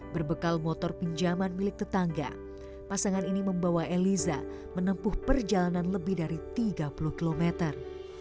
berbekal motor pinjaman milik tetangga pasangan ini membawa eliza menempuh perjalanan lebih dari tiga puluh kilometer